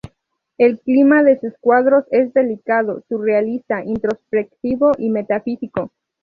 El clima de sus cuadros es delicado, surrealista, introspectivo y metafísico.